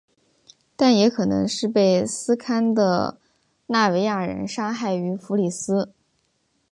但也可能是被斯堪的纳维亚人杀害于福里斯。